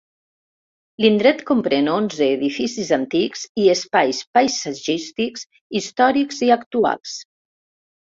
L'indret comprèn onze edificis antics i espais paisatgístics històrics i actuals.